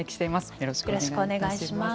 よろしくお願いします。